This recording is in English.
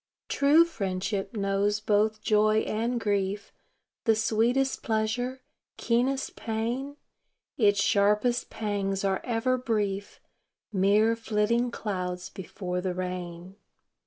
True friendship knows both joy and grief, The sweetest pleasure, keenest pain; Its sharpest pangs are ever brief, Mere flitting clouds before the rain.